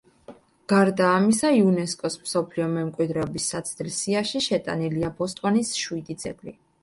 გარდა ამისა იუნესკოს მსოფლიო მემკვიდრეობის საცდელ სიაში შეტანილია ბოტსვანის შვიდი ძეგლი.